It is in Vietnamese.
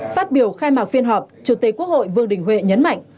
phát biểu khai mạc phiên họp chủ tịch quốc hội vương đình huệ nhấn mạnh